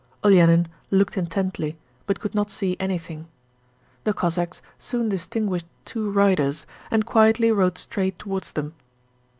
Olenin looked intently, but could not see anything. The Cossacks soon distinguished two riders and quietly rode straight towards them.